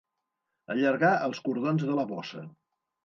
Allargar els cordons de la bossa.